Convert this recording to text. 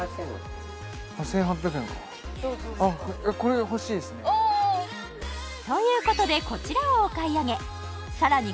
１８００円かこれ欲しいですねということでこちらをお買い上げさらに